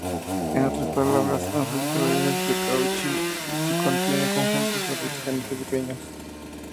En otras palabras, un filtro es de Cauchy si contiene conjuntos "arbitrariamente pequeños".